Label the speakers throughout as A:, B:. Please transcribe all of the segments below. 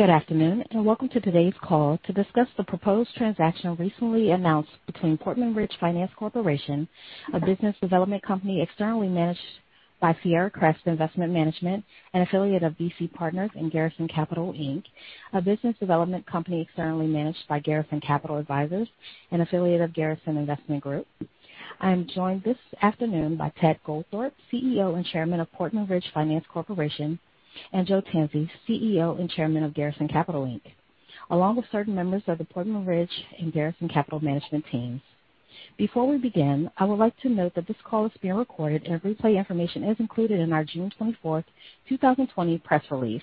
A: Good afternoon and welcome to today's call to discuss the proposed transaction recently announced between Portman Ridge Finance Corporation, a business development company externally managed by Sierra Crest Investment Management, an affiliate of BC Partners and Garrison Capital Inc., a business development company externally managed by Garrison Capital Advisors and affiliate of Garrison Investment Group. I am joined this afternoon by Ted Goldthorpe, CEO and Chairman of Portman Ridge Finance Corporation, and Joe Tanzi, CEO and Chairman of Garrison Capital Inc, along with certain members of the Portman Ridge and Garrison Capital Management teams. Before we begin, I would like to note that this call is being recorded and replay information is included in our June 24th, 2020 press release.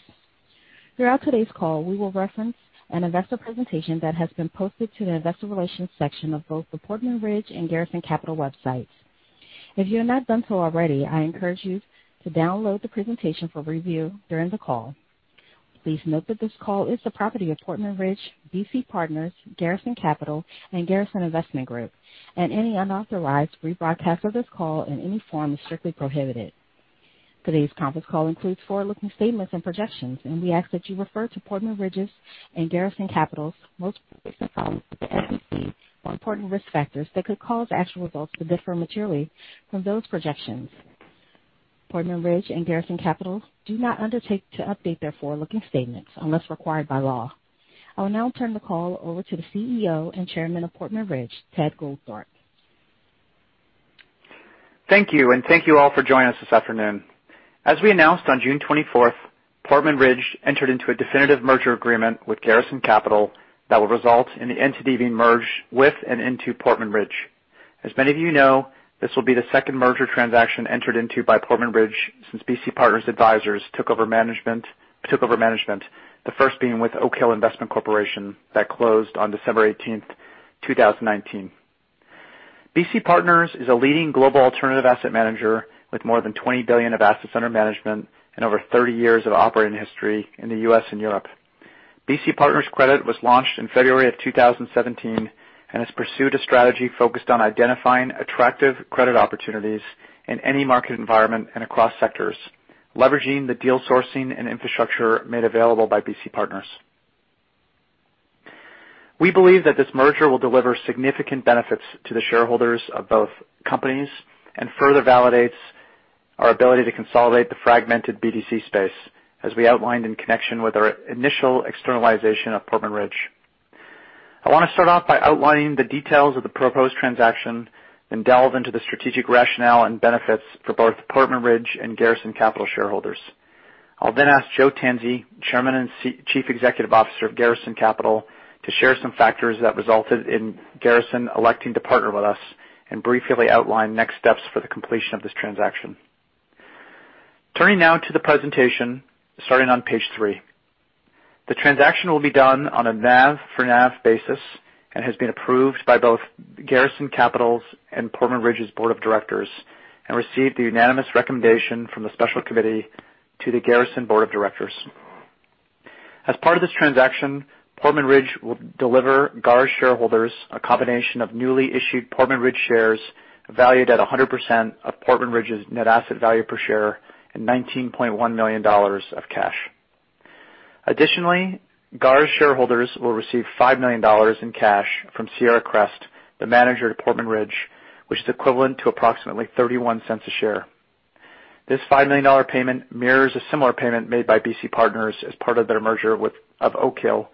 A: Throughout today's call, we will reference an investor presentation that has been posted to the investor relations section of both the Portman Ridge and Garrison Capital websites. If you have not done so already, I encourage you to download the presentation for review during the call. Please note that this call is the property of Portman Ridge, BC Partners, Garrison Capital, and Garrison Investment Group, and any unauthorized rebroadcast of this call in any form is strictly prohibited. Today's conference call includes forward-looking statements and projections, and we ask that you refer to Portman Ridge's and Garrison Capital's most recent filings with the SEC or important risk factors that could cause actual results to differ materially from those projections. Portman Ridge and Garrison Capital do not undertake to update their forward-looking statements unless required by law. I will now turn the call over to the CEO and Chairman of Portman Ridge, Ted Goldthorpe.
B: Thank you, and thank you all for joining us this afternoon. As we announced on June 24th, Portman Ridge entered into a definitive merger agreement with Garrison Capital that will result in the entity being merged with and into Portman Ridge. As many of you know, this will be the second merger transaction entered into by Portman Ridge since BC Partners' advisors took over management,. The first being with Oak Hill Investment Corporation that closed on December 18th, 2019. BC Partners is a leading global alternative asset manager with more than $20 billion of assets under management and over 30 years of operating history in the U.S. and Europe. BC Partners Credit was launched in February of 2017 and has pursued a strategy focused on identifying attractive credit opportunities in any market environment and across sectors, leveraging the deal sourcing and infrastructure made available by BC Partners. We believe that this merger will deliver significant benefits to the shareholders of both companies and further validates our ability to consolidate the fragmented BDC space, as we outlined in connection with our initial externalization of Portman Ridge. I want to start off by outlining the details of the proposed transaction and delve into the strategic rationale and benefits for both Portman Ridge and Garrison Capital shareholders. I'll then ask Joe Tanzi, Chairman and Chief Executive Officer of Garrison Capital, to share some factors that resulted in Garrison electing to partner with us and briefly outline next steps for the completion of this transaction. Turning now to the presentation, starting on page three. The transaction will be done on a NAV-for-NAV basis and has been approved by both Garrison Capital's and Portman Ridge's board of directors and received the unanimous recommendation from the special committee to the Garrison board of directors. As part of this transaction, Portman Ridge will deliver GARS shareholders a combination of newly issued Portman Ridge shares valued at 100% of Portman Ridge's net asset value per share and $19.1 million of cash. Additionally, GARS shareholders will receive $5 million in cash from Sierra Crest, the manager of Portman Ridge, which is equivalent to approximately $0.31 a share. This $5 million payment mirrors a similar payment made by BC Partners as part of their merger with Oak Hill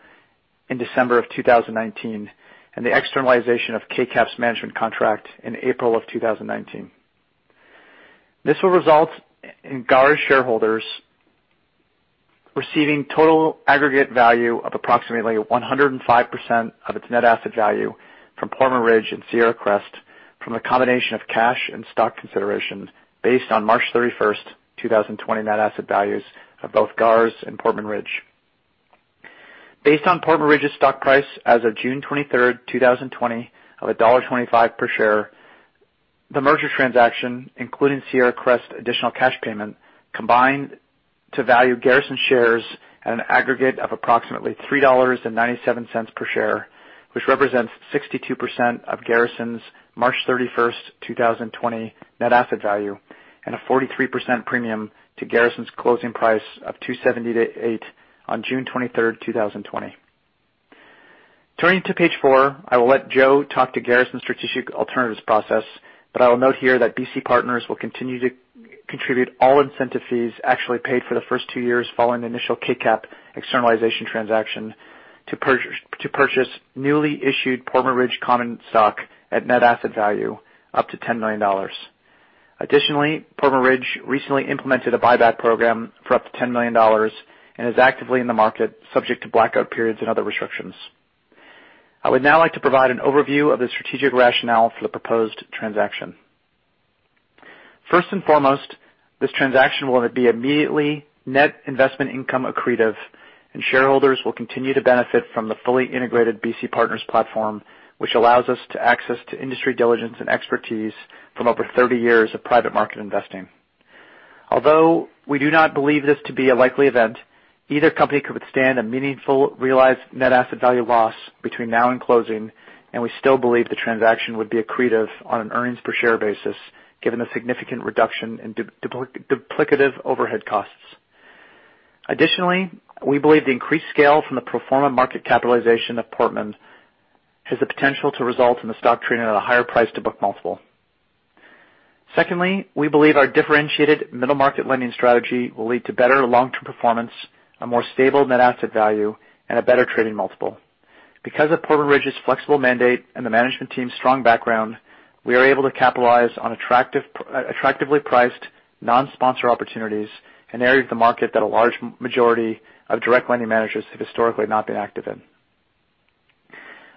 B: in December of 2019 and the externalization of KCAP's management contract in April of 2019. This will result in GARS shareholders receiving total aggregate value of approximately 105% of its net asset value from Portman Ridge and Sierra Crest from a combination of cash and stock considerations based on March 31st, 2020, net asset values of both GARS and Portman Ridge. Based on Portman Ridge's stock price as of June 23rd, 2020, of $1.25 per share, the merger transaction, including Sierra Crest's additional cash payment, combined to value Garrison shares at an aggregate of approximately $3.97 per share, which represents 62% of Garrison's March 31st, 2020, net asset value and a 43% premium to Garrison's closing price of $2.78 on June 23rd, 2020. Turning to page four, I will let Joe talk to Garrison's strategic alternatives process, but I will note here that BC Partners will continue to contribute all incentive fees actually paid for the first two years following the initial KCAP externalization transaction to purchase newly issued Portman Ridge common stock at net asset value up to $10 million. Additionally, Portman Ridge recently implemented a buyback program for up to $10 million and is actively in the market, subject to blackout periods and other restrictions. I would now like to provide an overview of the strategic rationale for the proposed transaction. First and foremost, this transaction will be immediately net investment income accretive and shareholders will continue to benefit from the fully integrated BC Partners platform, which allows us to access industry diligence and expertise from over 30 years of private market investing. Although we do not believe this to be a likely event, either company could withstand a meaningful realized net asset value loss between now and closing, and we still believe the transaction would be accretive on an earnings per share basis given the significant reduction in duplicative overhead costs. Additionally, we believe the increased scale from the pro forma market capitalization of Portman has the potential to result in the stock trading at a higher price to book multiple. Secondly, we believe our differentiated middle market lending strategy will lead to better long-term performance, a more stable net asset value, and a better trading multiple. Because of Portman Ridge's flexible mandate and the management team's strong background, we are able to capitalize on attractively priced non-sponsor opportunities, an area of the market that a large majority of direct lending managers have historically not been active in.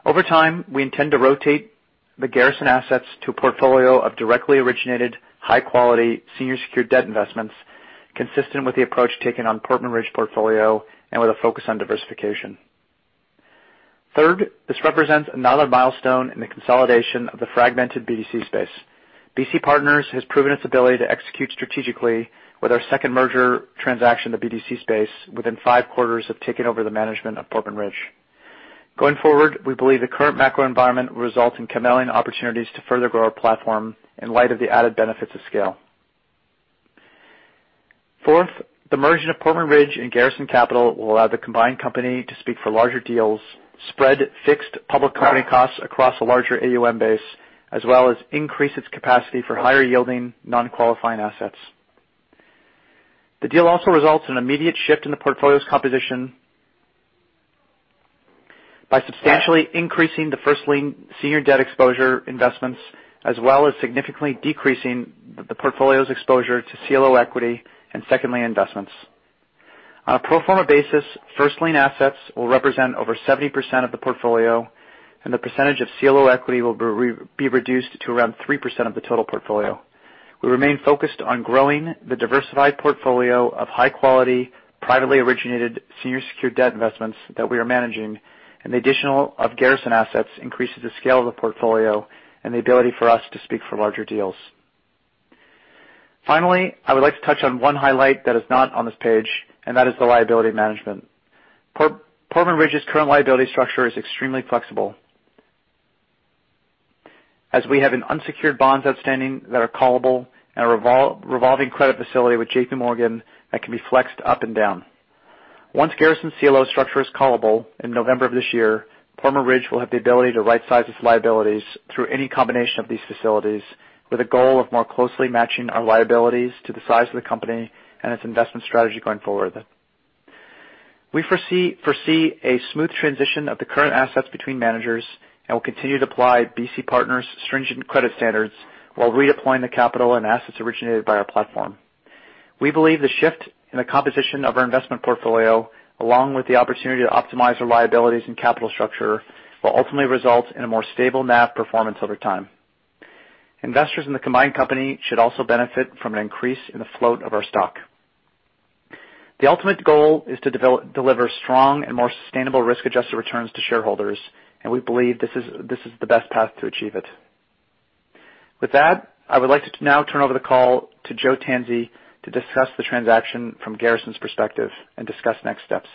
B: Over time, we intend to rotate the Garrison assets to a portfolio of directly originated, high-quality, senior secured debt investments consistent with the approach taken on Portman Ridge portfolio and with a focus on diversification. Third, this represents another milestone in the consolidation of the fragmented BDC space. BC Partners has proven its ability to execute strategically with our second merger transaction in the BDC space within five quarters of taking over the management of Portman Ridge. Going forward, we believe the current macro environment will result in compelling opportunities to further grow our platform in light of the added benefits of scale. Fourth, the merging of Portman Ridge and Garrison Capital will allow the combined company to speak for larger deals, spread fixed public company costs across a larger AUM base, as well as increase its capacity for higher yielding non-qualifying assets. The deal also results in an immediate shift in the portfolio's composition by substantially increasing the first lien senior debt exposure investments, as well as significantly decreasing the portfolio's exposure to CLO equity and second lien investments. On a pro forma basis, first lien assets will represent over 70% of the portfolio and the percentage of CLO equity will be reduced to around 3% of the total portfolio. We remain focused on growing the diversified portfolio of high-quality, privately originated senior secured debt investments that we are managing, and the addition of Garrison assets increases the scale of the portfolio and the ability for us to speak for larger deals. Finally, I would like to touch on one highlight that is not on this page, and that is the liability management. Portman Ridge's current liability structure is extremely flexible as we have unsecured bonds outstanding that are callable and a revolving credit facility with JPMorgan that can be flexed up and down. Once Garrison's CLO structure is callable in November of this year, Portman Ridge will have the ability to right-size its liabilities through any combination of these facilities with a goal of more closely matching our liabilities to the size of the company and its investment strategy going forward. We foresee a smooth transition of the current assets between managers and will continue to apply BC Partners' stringent credit standards while redeploying the capital and assets originated by our platform. We believe the shift in the composition of our investment portfolio, along with the opportunity to optimize our liabilities and capital structure, will ultimately result in a more stable NAV performance over time. Investors in the combined company should also benefit from an increase in the float of our stock. The ultimate goal is to deliver strong and more sustainable risk-adjusted returns to shareholders, and we believe this is the best path to achieve it. With that, I would like to now turn over the call to Joe Tanzi to discuss the transaction from Garrison's perspective and discuss next steps.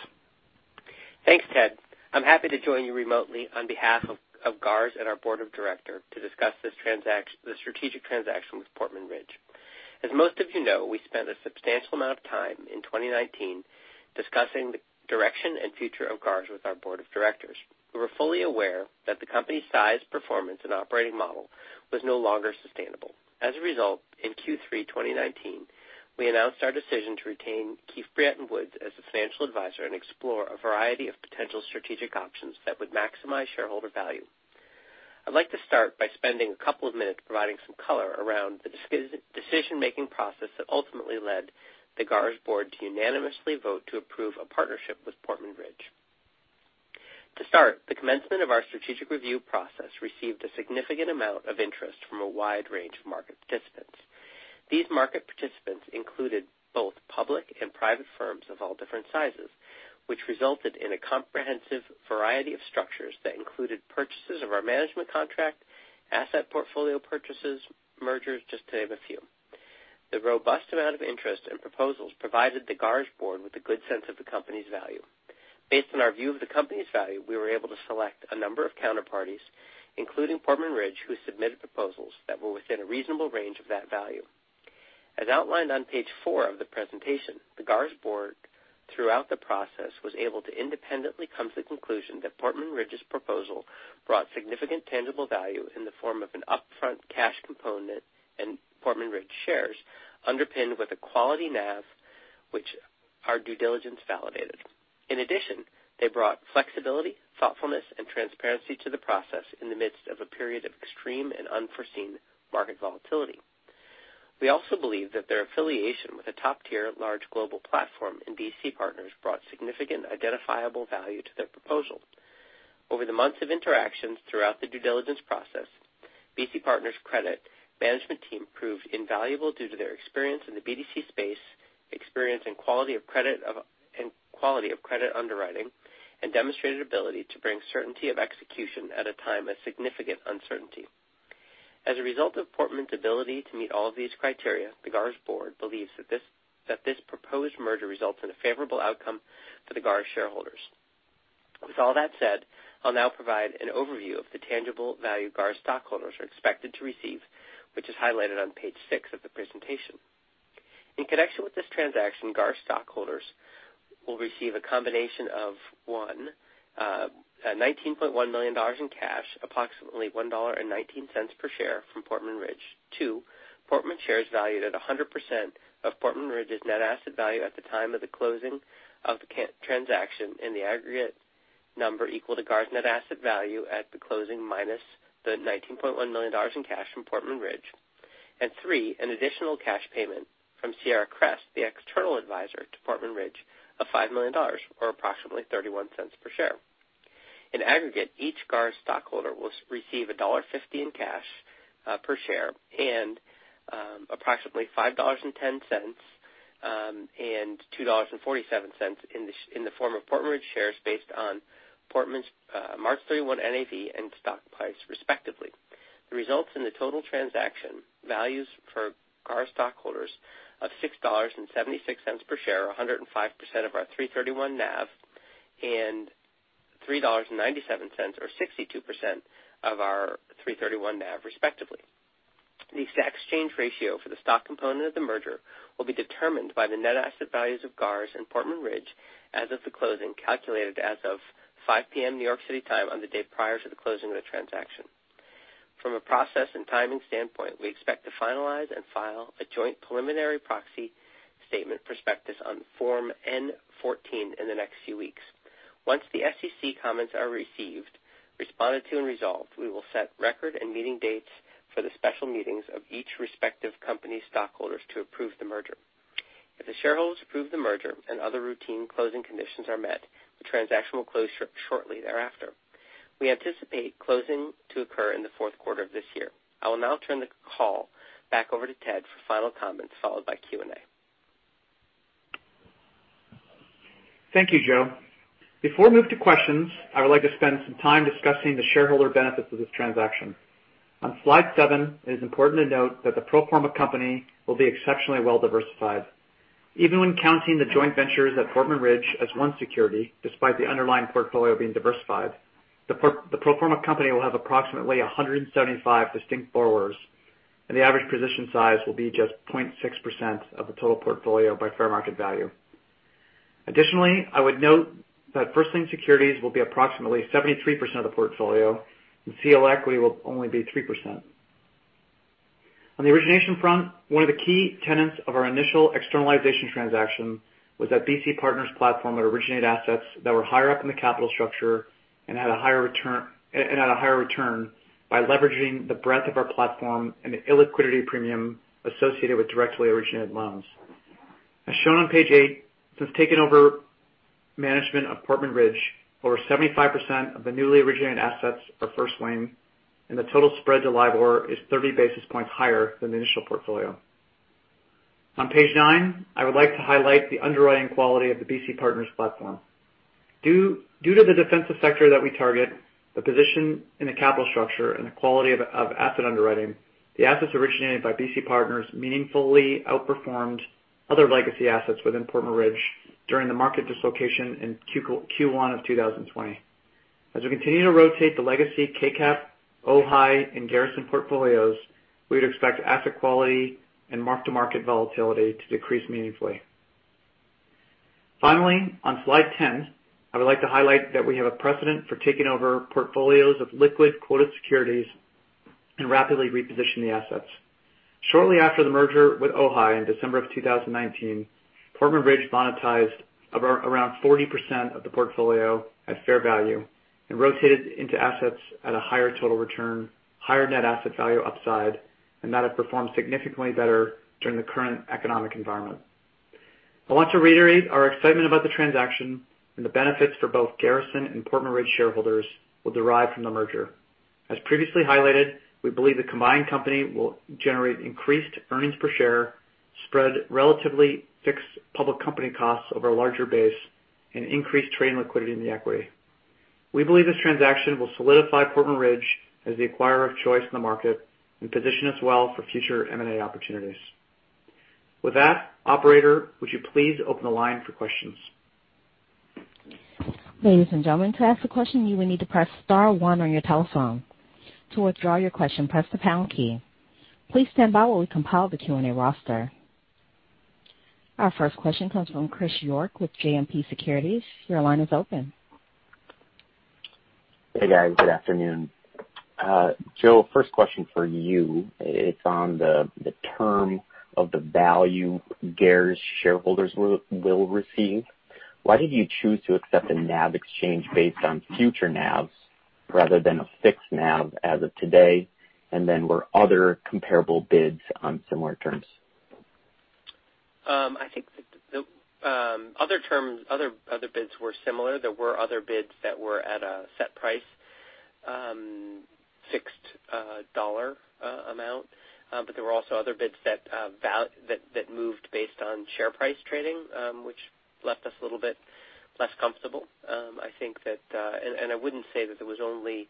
C: Thanks, Ted. I'm happy to join you remotely on behalf of GARS and our board of directors to discuss the strategic transaction with Portman Ridge. As most of you know, we spent a substantial amount of time in 2019 discussing the direction and future of GARS with our board of directors. We were fully aware that the company's size, performance, and operating model was no longer sustainable. As a result, in Q3 2019, we announced our decision to retain Keefe, Bruyette & Woods as a financial advisor and explore a variety of potential strategic options that would maximize shareholder value. I'd like to start by spending a couple of minutes providing some color around the decision-making process that ultimately led the GARS board to unanimously vote to approve a partnership with Portman Ridge. To start, the commencement of our strategic review process received a significant amount of interest from a wide range of market participants. These market participants included both public and private firms of all different sizes, which resulted in a comprehensive variety of structures that included purchases of our management contract, asset portfolio purchases, mergers, just to name a few. The robust amount of interest and proposals provided the GARS board with a good sense of the company's value. Based on our view of the company's value, we were able to select a number of counterparties, including Portman Ridge, who submitted proposals that were within a reasonable range of that value. As outlined on page four of the presentation, the Garrison board throughout the process was able to independently come to the conclusion that Portman Ridge's proposal brought significant tangible value in the form of an upfront cash component and Portman Ridge shares underpinned with a quality NAV, which our due diligence validated. In addition, they brought flexibility, thoughtfulness, and transparency to the process in the midst of a period of extreme and unforeseen market volatility. We also believe that their affiliation with a top-tier large global platform in BC Partners brought significant identifiable value to their proposal. Over the months of interactions throughout the due diligence process, BC Partners' credit management team proved invaluable due to their experience in the BDC space, experience and quality of credit underwriting, and demonstrated ability to bring certainty of execution at a time of significant uncertainty. As a result of Portman's ability to meet all of these criteria, the GARS board believes that this proposed merger results in a favorable outcome for the GARS shareholders. With all that said, I'll now provide an overview of the tangible value GARS stockholders are expected to receive, which is highlighted on page six of the presentation. In connection with this transaction, GARS stockholders will receive a combination of, one, $19.1 million in cash, approximately $1.19 per share from Portman Ridge, two, Portman shares valued at 100% of Portman Ridge's net asset value at the time of the closing of the transaction in the aggregate number equal to GARS net asset value at the closing minus the $19.1 million in cash from Portman Ridge, and three, an additional cash payment from Sierra Crest, the external advisor to Portman Ridge, of $5 million or approximately $0.31 per share. In aggregate, each GARS stockholder will receive $1.50 in cash per share and approximately $5.10 and $2.47 in the form of Portman Ridge shares based on Portman's March 31 NAV and stock price, respectively. This results in the total transaction values for GARS stockholders of $6.76 per share are 105% of our 3/31 NAV and $3.97 or 62% of our 3/31 NAV, respectively. The exact exchange ratio for the stock component of the merger will be determined by the net asset values of GARS and Portman Ridge as of the closing, calculated as of 5:00 P.M. New York City time on the day prior to the closing of the transaction. From a process and timing standpoint, we expect to finalize and file a joint preliminary proxy statement prospectus on Form N-14 in the next few weeks. Once the SEC comments are received, responded to, and resolved, we will set record and meeting dates for the special meetings of each respective company's stockholders to approve the merger. If the shareholders approve the merger and other routine closing conditions are met, the transaction will close shortly thereafter. We anticipate closing to occur in the fourth quarter of this year. I will now turn the call back over to Ted for final comments, followed by Q&A.
B: Thank you, Joe. Before we move to questions, I would like to spend some time discussing the shareholder benefits of this transaction. On slide seven, it is important to note that the pro forma company will be exceptionally well diversified. Even when counting the joint ventures at Portman Ridge as one security, despite the underlying portfolio being diversified, the pro forma company will have approximately 175 distinct borrowers, and the average position size will be just 0.6% of the total portfolio by fair market value. Additionally, I would note that first lien securities will be approximately 73% of the portfolio, and CLO equity will only be 3%. On the origination front, one of the key tenets of our initial externalization transaction was that BC Partners' platform would originate assets that were higher up in the capital structure and had a higher return by leveraging the breadth of our platform and the illiquidity premium associated with directly originated loans. As shown on page eight, since taking over management of Portman Ridge, over 75% of the newly originated assets are first lien, and the total spread to LIBOR is 30 basis points higher than the initial portfolio. On page nine, I would like to highlight the underwriting quality of the BC Partners' platform. Due to the defensive sector that we target, the position in the capital structure, and the quality of asset underwriting, the assets originated by BC Partners meaningfully outperformed other legacy assets within Portman Ridge during the market dislocation in Q1 of 2020. As we continue to rotate the legacy KCAP, OHI, and Garrison portfolios, we would expect asset quality and mark-to-market volatility to decrease meaningfully. Finally, on slide 10, I would like to highlight that we have a precedent for taking over portfolios of liquid quoted securities and rapidly repositioning the assets. Shortly after the merger with OHI in December of 2019, Portman Ridge monetized around 40% of the portfolio at fair value and rotated into assets at a higher total return, higher net asset value upside, and that have performed significantly better during the current economic environment. I want to reiterate our excitement about the transaction and the benefits for both Garrison and Portman Ridge shareholders will derive from the merger. As previously highlighted, we believe the combined company will generate increased earnings per share, spread relatively fixed public company costs over a larger base, and increased trade liquidity in the equity. We believe this transaction will solidify Portman Ridge as the acquirer of choice in the market and position us well for future M&A opportunities. With that, Operator, would you please open the line for questions?
A: Ladies and gentlemen, to ask a question, you would need to press star one on your telephone. To withdraw your question, press the pound key. Please stand by while we compile the Q&A roster. Our first question comes from Chris York with JMP Securities. Your line is open.
D: Hey, guys. Good afternoon. Joe, first question for you. It's on the term of the value Garrison shareholders will receive. Why did you choose to accept a NAV exchange based on future NAVs rather than a fixed NAV as of today, and then were other comparable bids on similar terms?
C: I think the other bids were similar. There were other bids that were at a set price, fixed dollar amount, but there were also other bids that moved based on share price trading, which left us a little bit less comfortable. I think that, and I wouldn't say that it was only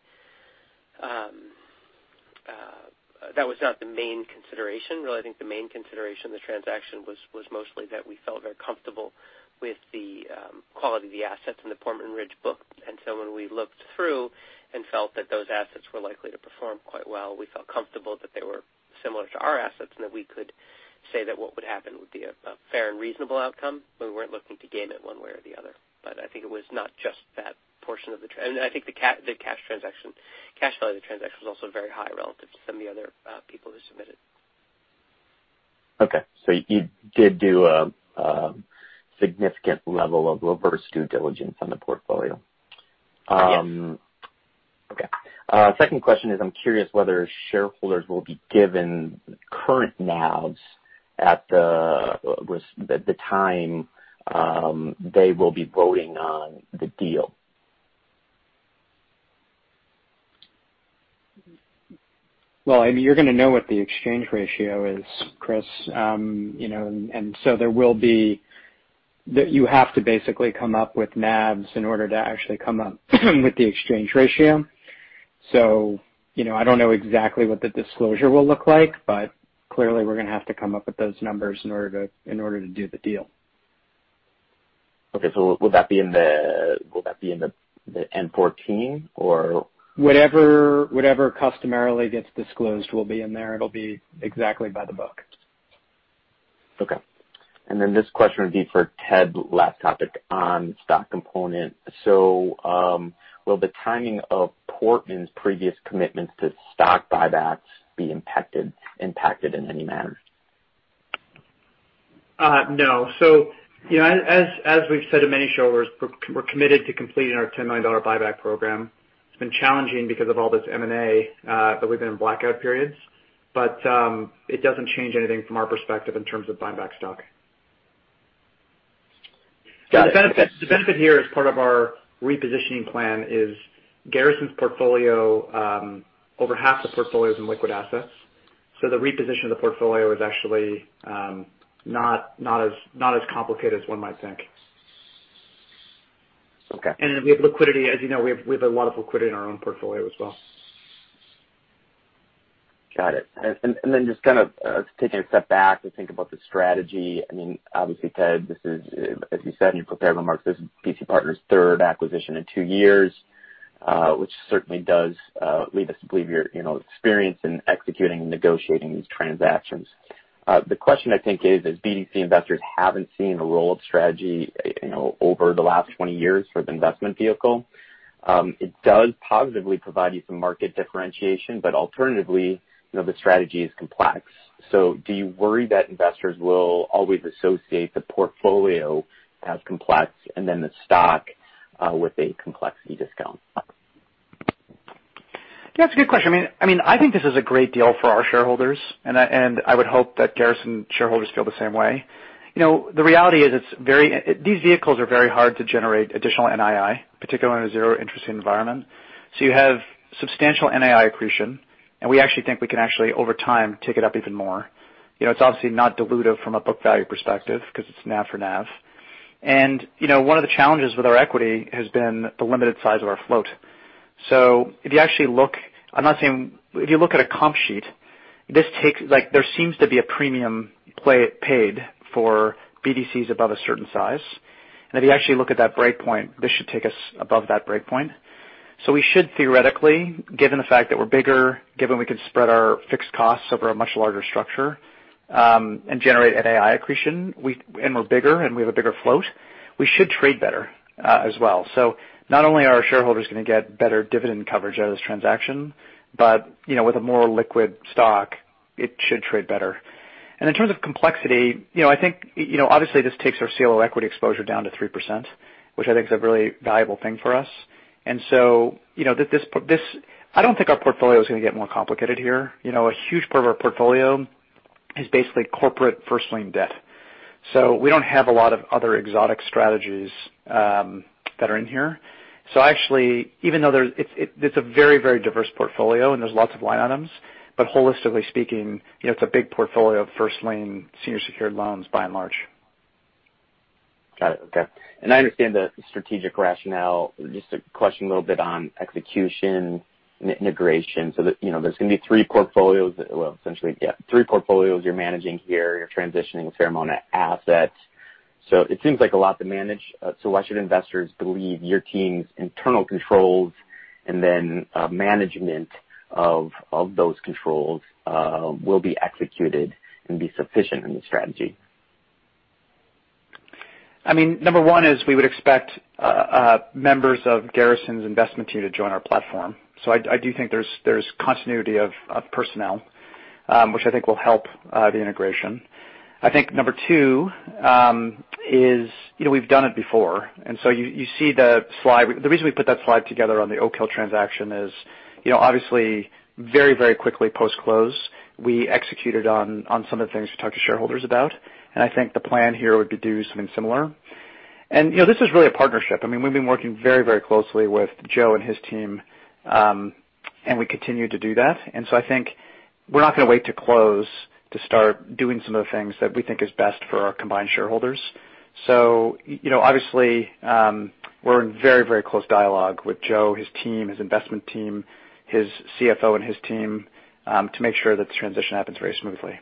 C: that was not the main consideration. Really, I think the main consideration of the transaction was mostly that we felt very comfortable with the quality of the assets in the Portman Ridge book. And so when we looked through and felt that those assets were likely to perform quite well, we felt comfortable that they were similar to our assets and that we could say that what would happen would be a fair and reasonable outcome. We weren't looking to game it one way or the other. But I think it was not just that portion of the, and I think the cash value of the transaction was also very high relative to some of the other people who submitted.
D: Okay, so you did do a significant level of reverse due diligence on the portfolio.
C: Yes.
D: Okay. Second question is I'm curious whether shareholders will be given current NAVs at the time they will be voting on the deal.
C: I mean, you're going to know what the exchange ratio is, Chris. And so there will be that you have to basically come up with NAVs in order to actually come up with the exchange ratio. I don't know exactly what the disclosure will look like, but clearly we're going to have to come up with those numbers in order to do the deal.
D: Okay. So would that be in the N-14 or?
C: Whatever customarily gets disclosed will be in there. It'll be exactly by the book.
D: Okay. And then this question would be for Ted Goldthorpe on stock component. So will the timing of Portman's previous commitments to stock buybacks be impacted in any manner?
B: No. So as we've said to many shareholders, we're committed to completing our $10 million buyback program. It's been challenging because of all this M&A, but we've been in blackout periods. But it doesn't change anything from our perspective in terms of buying back stock. The benefit here as part of our repositioning plan is Garrison's portfolio. Over half the portfolio is in liquid assets. So the reposition of the portfolio is actually not as complicated as one might think.
D: Okay.
B: And then we have liquidity. As you know, we have a lot of liquidity in our own portfolio as well.
D: Got it. And then just kind of taking a step back to think about the strategy. I mean, obviously, Ted, this is, as you said in your prepared remarks, this is BC Partners' third acquisition in two years, which certainly does leave us to believe your experience in executing and negotiating these transactions. The question I think is, as BDC investors haven't seen a roll-up strategy over the last 20 years for the investment vehicle, it does positively provide you some market differentiation, but alternatively, the strategy is complex. So do you worry that investors will always associate the portfolio as complex and then the stock with a complexity discount?
B: Yeah, that's a good question. I mean, I think this is a great deal for our shareholders, and I would hope that Garrison shareholders feel the same way. The reality is these vehicles are very hard to generate additional NII, particularly in a zero-interest environment. So you have substantial NII accretion, and we actually think we can actually, over time, take it up even more. It's obviously not dilutive from a book value perspective because it's NAV-for-NAV. And one of the challenges with our equity has been the limited size of our float. So if you actually look, I'm not saying if you look at a comp sheet, there seems to be a premium paid for BDCs above a certain size. And if you actually look at that breakpoint, this should take us above that breakpoint. So we should theoretically, given the fact that we're bigger, given we can spread our fixed costs over a much larger structure and generate NII accretion, and we're bigger and we have a bigger float, we should trade better as well. So not only are our shareholders going to get better dividend coverage out of this transaction, but with a more liquid stock, it should trade better. And in terms of complexity, I think obviously this takes our CLO equity exposure down to 3%, which I think is a really valuable thing for us. And so I don't think our portfolio is going to get more complicated here. A huge part of our portfolio is basically corporate first lien debt. So we don't have a lot of other exotic strategies that are in here. So actually, even though it's a very, very diverse portfolio and there's lots of line items, but holistically speaking, it's a big portfolio of first lien senior secured loans by and large.
D: Got it. Okay. And I understand the strategic rationale. Just a question a little bit on execution and integration. So there's going to be three portfolios, well, essentially, yeah, three portfolios you're managing here. You're transitioning a fair amount of assets. So it seems like a lot to manage. So why should investors believe your team's internal controls and then management of those controls will be executed and be sufficient in the strategy?
B: I mean, number one is we would expect members of Garrison's investment team to join our platform, so I do think there's continuity of personnel, which I think will help the integration. I think number two is we've done it before, and so you see the slide. The reason we put that slide together on the Oak Hill transaction is, obviously, very, very quickly post-close, we executed on some of the things we talked to shareholders about, and I think the plan here would be to do something similar, and this is really a partnership. I mean, we've been working very, very closely with Joe and his team, and we continue to do that, and so I think we're not going to wait to close to start doing some of the things that we think is best for our combined shareholders. Obviously, we're in very, very close dialogue with Joe, his team, his investment team, his CFO, and his team to make sure that the transition happens very smoothly.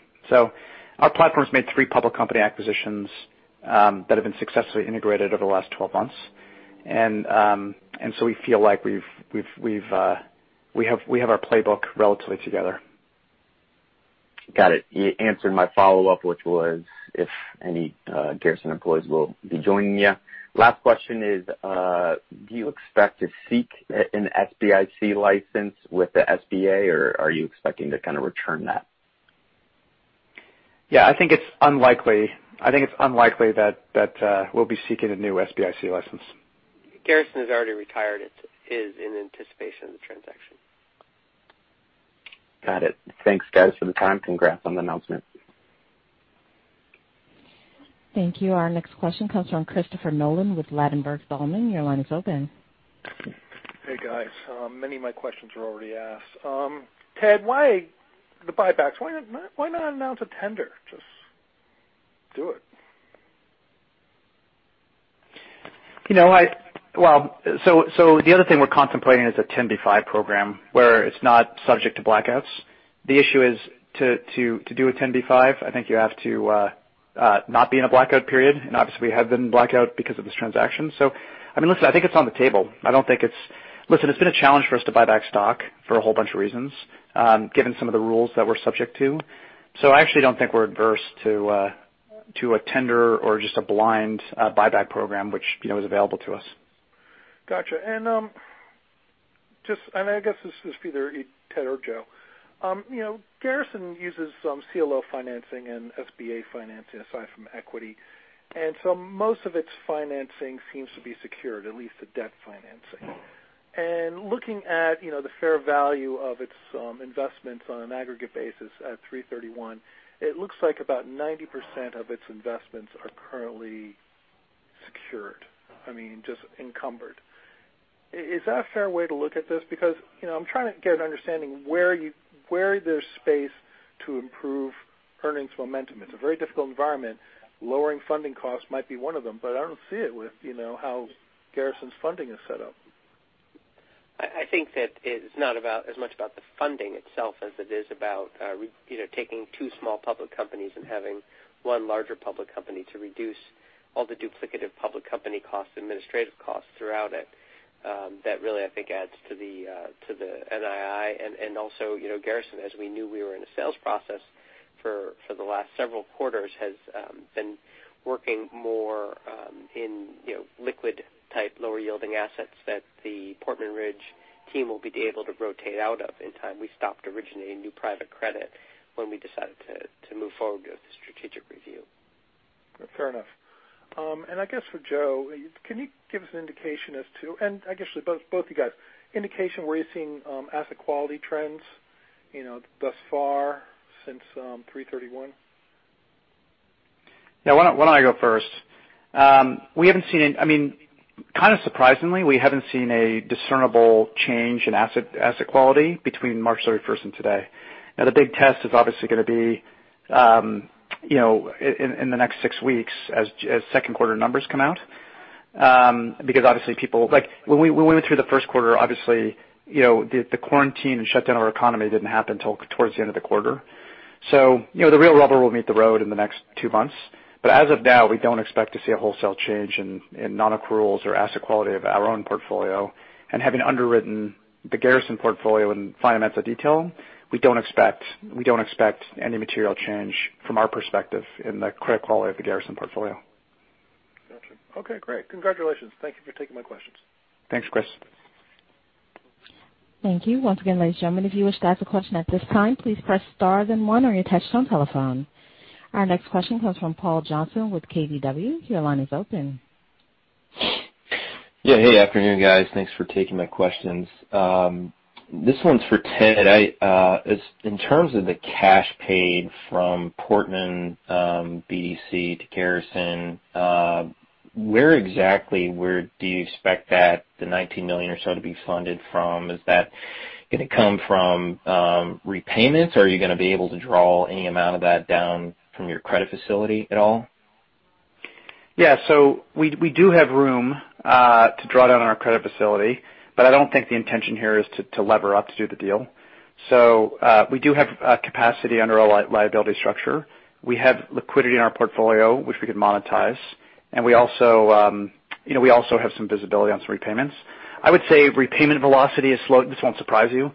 B: Our platform has made three public company acquisitions that have been successfully integrated over the last 12 months. We feel like we have our playbook relatively together.
D: Got it. You answered my follow-up, which was if any Garrison employees will be joining you. Last question is, do you expect to seek an SBIC license with the SBA, or are you expecting to kind of return that?
B: Yeah, I think it's unlikely that we'll be seeking a new SBIC license.
C: Garrison is already retired. It is in anticipation of the transaction.
D: Got it. Thanks, guys, for the time. Congrats on the announcement.
A: Thank you. Our next question comes from Christopher Nolan with Ladenburg Thalmann. Your line is open.
E: Hey, guys. Many of my questions were already asked. Ted, why the buybacks? Why not announce a tender? Just do it.
B: Well, so the other thing we're contemplating is a 10b5-1 plan where it's not subject to blackouts. The issue is to do a 10b5-1, I think you have to not be in a blackout period. And obviously, we have been in blackout because of this transaction. So I mean, listen, I think it's on the table. I don't think it's. Listen, it's been a challenge for us to buy back stock for a whole bunch of reasons, given some of the rules that we're subject to. So I actually don't think we're adverse to a tender or just a blind buyback program, which is available to us.
E: Gotcha. And I guess this is either Ted or Joe. Garrison uses some CLO financing and SBA financing aside from equity. And so most of its financing seems to be secured, at least the debt financing. And looking at the fair value of its investments on an aggregate basis at 331, it looks like about 90% of its investments are currently secured, I mean, just encumbered. Is that a fair way to look at this? Because I'm trying to get an understanding where there's space to improve earnings momentum. It's a very difficult environment. Lowering funding costs might be one of them, but I don't see it with how Garrison's funding is set up.
C: I think that it's not about as much about the funding itself as it is about taking two small public companies and having one larger public company to reduce all the duplicative public company costs, administrative costs throughout it, that really, I think, adds to the NII, and also Garrison, as we knew we were in a sales process for the last several quarters, has been working more in liquid-type lower-yielding assets that the Portman Ridge team will be able to rotate out of in time. We stopped originating new private credit when we decided to move forward with the strategic review.
E: Fair enough. And I guess for Joe, can you give us an indication as to, and actually both of you guys, indication where you're seeing asset quality trends thus far since 331?
B: Yeah, why don't I go first? We haven't seen any, I mean, kind of surprisingly, we haven't seen a discernible change in asset quality between March 31st and today. Now, the big test is obviously going to be in the next six weeks as second quarter numbers come out. Because obviously people, when we went through the first quarter, obviously the quarantine and shutdown of our economy didn't happen until towards the end of the quarter. So the real rubber will meet the road in the next two months. But as of now, we don't expect to see a wholesale change in non-accruals or asset quality of our own portfolio. And having underwritten the Garrison portfolio and analyzed in detail, we don't expect any material change from our perspective in the credit quality of the Garrison portfolio.
E: Gotcha. Okay, great. Congratulations. Thank you for taking my questions.
B: Thanks, Chris.
A: Thank you. Once again, ladies and gentlemen, if you wish to ask a question at this time, please press star then one on your touch-tone telephone. Our next question comes from Paul Johnson with KBW. Your line is open.
F: Yeah, hey, afternoon, guys. Thanks for taking my questions. This one's for Ted. In terms of the cash paid from Portman BDC to Garrison, where exactly do you expect that the $19 million or so to be funded from? Is that going to come from repayments, or are you going to be able to draw any amount of that down from your credit facility at all?
B: Yeah, so we do have room to draw down on our credit facility, but I don't think the intention here is to lever up to do the deal. So we do have capacity under a liability structure. We have liquidity in our portfolio, which we can monetize. And we also have some visibility on some repayments. I would say repayment velocity is slow. This won't surprise you.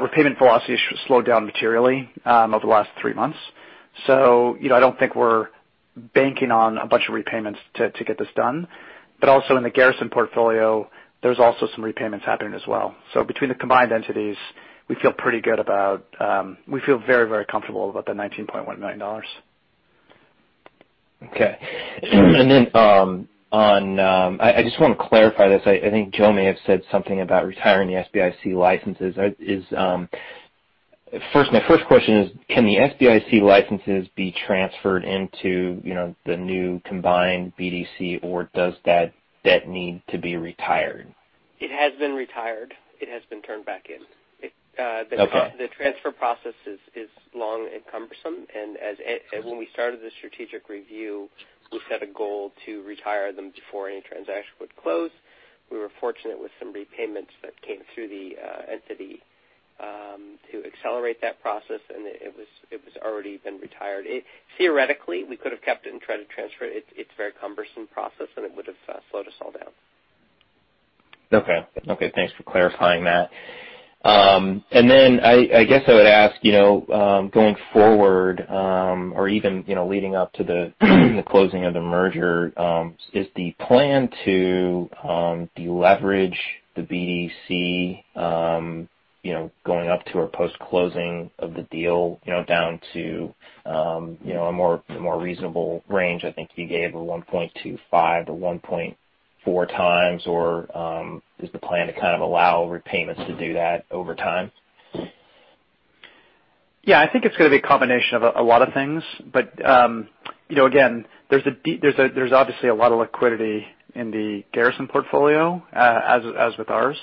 B: Repayment velocity has slowed down materially over the last three months. So I don't think we're banking on a bunch of repayments to get this done. But also in the Garrison portfolio, there's also some repayments happening as well. So between the combined entities, we feel pretty good about. We feel very, very comfortable about the $19.1 million.
F: Okay, and then on, I just want to clarify this. I think Joe may have said something about retiring the SBIC licenses. My first question is, can the SBIC licenses be transferred into the new combined BDC, or does that debt need to be retired?
C: It has been retired. It has been turned back in. The transfer process is long and cumbersome, and when we started the strategic review, we set a goal to retire them before any transaction would close. We were fortunate with some repayments that came through the entity to accelerate that process, and it was already been retired. Theoretically, we could have kept it and tried to transfer it. It's a very cumbersome process, and it would have slowed us all down.
F: Okay. Okay. Thanks for clarifying that. And then I guess I would ask, going forward or even leading up to the closing of the merger, is the plan to leverage the BDC going up to or post-closing of the deal down to a more reasonable range? I think you gave a 1.25x-1.4x, or is the plan to kind of allow repayments to do that over time?
B: Yeah, I think it's going to be a combination of a lot of things. But again, there's obviously a lot of liquidity in the Garrison portfolio, as with ours.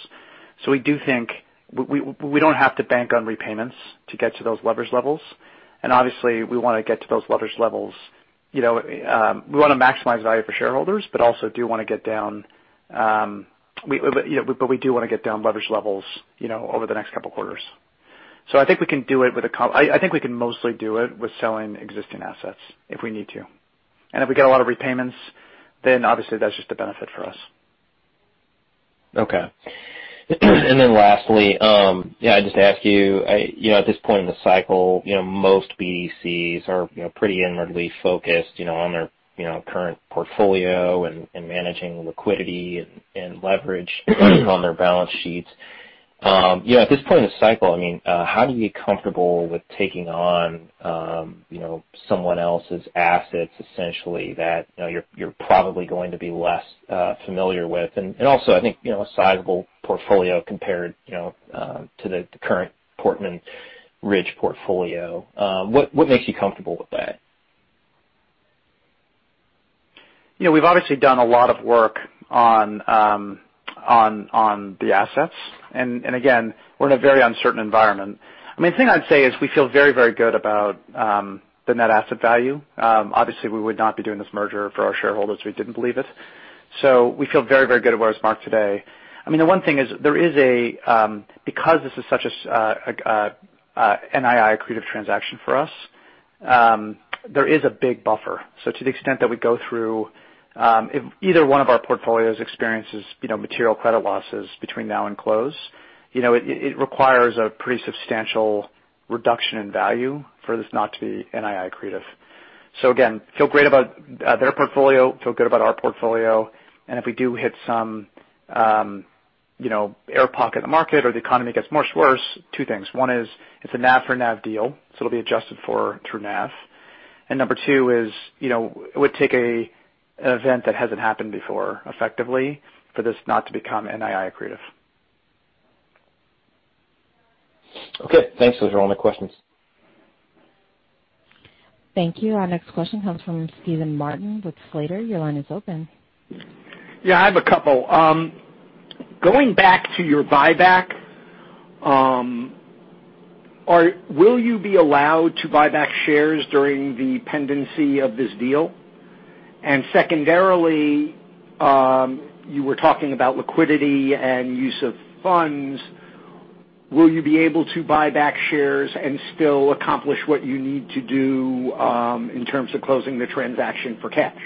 B: So we do think we don't have to bank on repayments to get to those leverage levels. And obviously, we want to get to those leverage levels. We want to maximize value for shareholders, but also do want to get down, but we do want to get down leverage levels over the next couple of quarters. So I think we can do it. I think we can mostly do it with selling existing assets if we need to. And if we get a lot of repayments, then obviously that's just a benefit for us.
F: Okay. And then lastly, yeah, I just ask you, at this point in the cycle, most BDCs are pretty inwardly focused on their current portfolio and managing liquidity and leverage on their balance sheets. At this point in the cycle, I mean, how do you get comfortable with taking on someone else's assets, essentially, that you're probably going to be less familiar with? And also, I think a sizable portfolio compared to the current Portman Ridge portfolio. What makes you comfortable with that?
B: We've obviously done a lot of work on the assets. And again, we're in a very uncertain environment. I mean, the thing I'd say is we feel very, very good about the net asset value. Obviously, we would not be doing this merger for our shareholders if we didn't believe it. So we feel very, very good about where it's marked today. I mean, the one thing is there is a, because this is such an NII accretive transaction for us, there is a big buffer. So to the extent that we go through, if either one of our portfolios experiences material credit losses between now and close, it requires a pretty substantial reduction in value for this not to be NII accretive. So again, feel great about their portfolio, feel good about our portfolio. And if we do hit some air pocket in the market or the economy gets much worse, two things. One is it's a NAV for NAV deal, so it'll be adjusted through NAV. And number two is it would take an event that hasn't happened before effectively for this not to become NII accretive.
F: Okay. Thanks. Those are all my questions.
A: Thank you. Our next question comes from Steven Martin with Slater. Your line is open.
G: Yeah, I have a couple. Going back to your buyback, will you be allowed to buy back shares during the pendency of this deal? And secondarily, you were talking about liquidity and use of funds. Will you be able to buy back shares and still accomplish what you need to do in terms of closing the transaction for cash?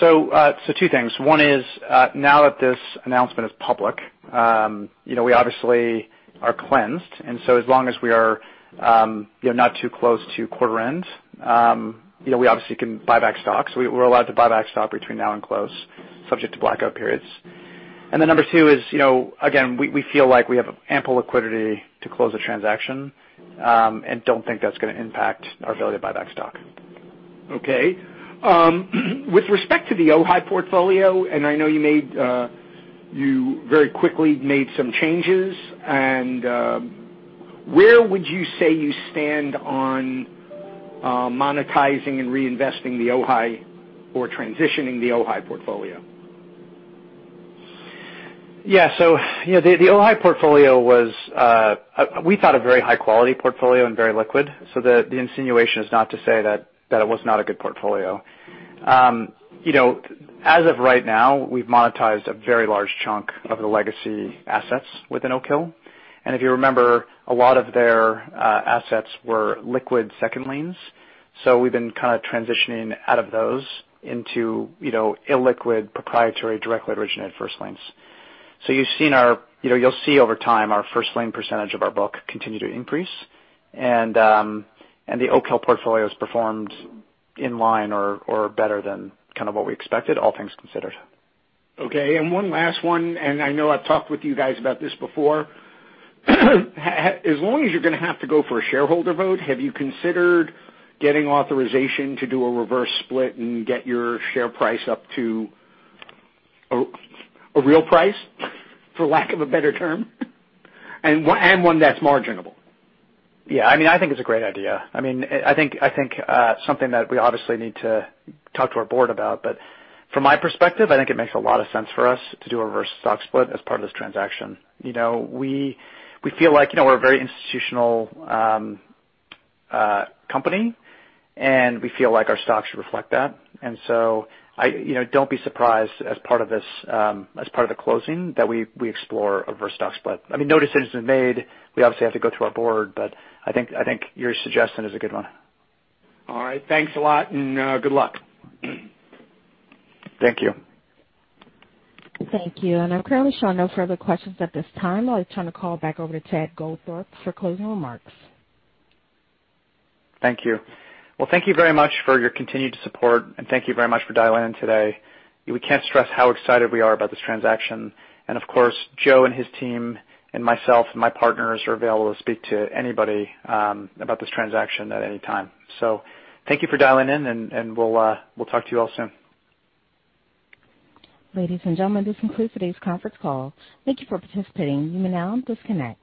B: So two things. One is now that this announcement is public, we obviously are cleansed. And so as long as we are not too close to quarter end, we obviously can buy back stock. So we're allowed to buy back stock between now and close, subject to blackout periods. And then number two is, again, we feel like we have ample liquidity to close the transaction and don't think that's going to impact our ability to buy back stock.
G: Okay. With respect to the OHI portfolio, and I know you very quickly made some changes, and where would you say you stand on monetizing and reinvesting the OHI or transitioning the OHI portfolio?
B: Yeah. So the OHI portfolio was, we thought, a very high-quality portfolio and very liquid. So the insinuation is not to say that it was not a good portfolio. As of right now, we've monetized a very large chunk of the legacy assets within Oak Hill. And if you remember, a lot of their assets were liquid second liens. So we've been kind of transitioning out of those into illiquid proprietary directly originated first liens. So you've seen our, you'll see over time our first lien percentage of our book continue to increase. And the Oak Hill portfolio has performed in line or better than kind of what we expected, all things considered.
G: Okay. And one last one, and I know I've talked with you guys about this before. As long as you're going to have to go for a shareholder vote, have you considered getting authorization to do a reverse split and get your share price up to a real price, for lack of a better term, and one that's marginable?
B: Yeah. I mean, I think it's a great idea. I mean, I think something that we obviously need to talk to our board about. But from my perspective, I think it makes a lot of sense for us to do a reverse stock split as part of this transaction. We feel like we're a very institutional company, and we feel like our stocks reflect that. And so don't be surprised as part of this, as part of the closing, that we explore a reverse stock split. I mean, no decisions have been made. We obviously have to go through our board, but I think your suggestion is a good one.
G: All right. Thanks a lot and good luck.
B: Thank you.
A: Thank you, and I'm currently showing no further questions at this time. I'll just turn the call back over to Ted Goldthorpe for closing remarks.
B: Thank you. Thank you very much for your continued support, and thank you very much for dialing in today. We can't stress how excited we are about this transaction. And of course, Joe and his team and myself and my partners are available to speak to anybody about this transaction at any time. Thank you for dialing in, and we'll talk to you all soon.
A: Ladies and gentlemen, this concludes today's conference call. Thank you for participating. You may now disconnect.